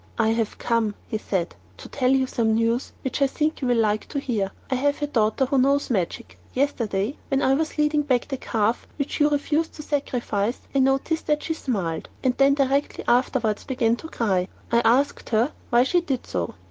"I have come," he said, "to tell you some news which I think you will like to hear. I have a daughter who knows magic. Yesterday, when I was leading back the calf which you refused to sacrifice, I noticed that she smiled, and then directly afterwards began to cry. I asked her why she did so."